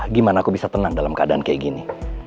gimana aku bisa tenang dalam keadaan kayak gini